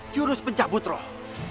jurus pencabut roh